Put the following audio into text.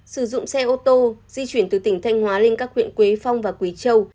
sử dụng xe ô tô di chuyển từ tỉnh thanh hóa lên các huyện quế phong và quý châu